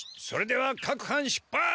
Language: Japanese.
それではかくはん出発！